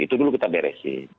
itu dulu kita direksi